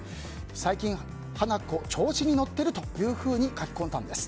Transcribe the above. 最近、花子調子に乗ってるというふうに書き込んだんです。